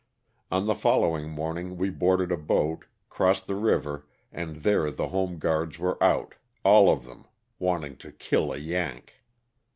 On the following morning we boarded a boat, crossed the river and there the home guards were out, all of them, wanting to kill a "Yank."